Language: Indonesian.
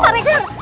eh pak regar